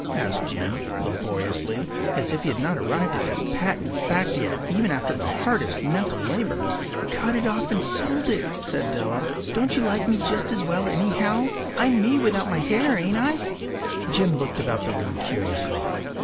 ” asked Jim, laboriously, as if he had not arrived at that patent fact yet even after the hardest mental labor. “Cut it off and sold it,” said Della. “Don’t you like me just as well, anyhow? I’m me without my hair, ain’t I?” Jim looked about the room curiously.